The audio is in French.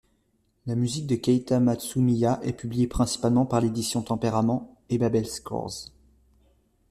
La musique de Keita Matsumiya est publiée principalement par l’Édition tempéraments et BabelScores.